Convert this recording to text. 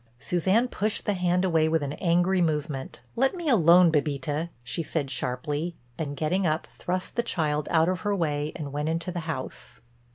Suzanne pushed the hand away with an angry movement. "Let me alone, Bébita," she said sharply and, getting up, thrust the child out of her way and went into the house.